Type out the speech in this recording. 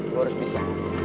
gua harus bisa